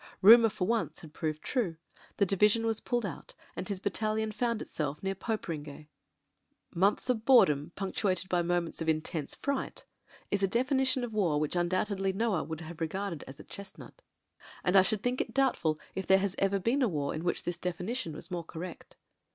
Rumour for once had proved true; the di vision was pulled out, and his battalion found itself near Poperinghe. , "Months of boredom punctuated by moments of in tense fright'* is a definition of war which undoubtedly *Noah would have regarded as a chestnut. And I 282 MEN, WOMEN AND GUNS should think it doubtful if there has ever been a war in which this definition was more correct.